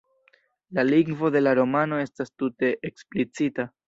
La lingvo de la romano estas tute eksplicita.